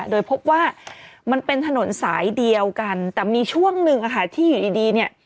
โดยพบว่ามันเป็นถนนสายเดียวกันแต่มีช่วงหนึ่งอะค่ะที่อยู่ดีเนี่ย